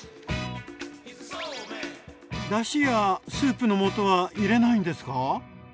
だしやスープの素は入れないんですか？